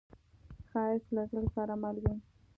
ښایست له زړه سره مل وي